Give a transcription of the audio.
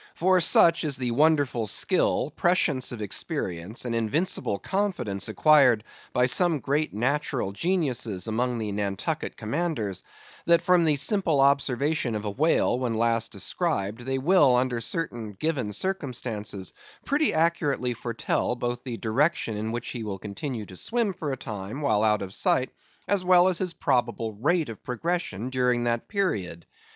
For such is the wonderful skill, prescience of experience, and invincible confidence acquired by some great natural geniuses among the Nantucket commanders; that from the simple observation of a whale when last descried, they will, under certain given circumstances, pretty accurately foretell both the direction in which he will continue to swim for a time, while out of sight, as well as his probable rate of progression during that period.